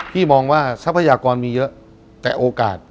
พี่มองว่าทรัพยากรมีเยอะแต่โอกาส